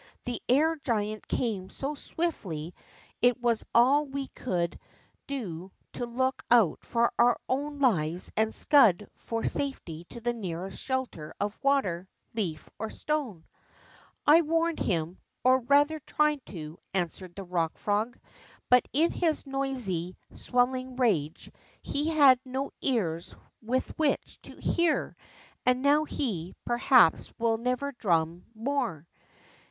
The air giant came so swiftly it was all we could 82 THE MARSH FROG 33 do to look out for our own lives and scud for safety to the nearest shelter of water, leaf, or stone.'' I warned him, or, rather, tried to," answered the Rock Frog, but in his noisy, swelling rage he had no ears with which to hear, and now, he, perhaps, will never' drum more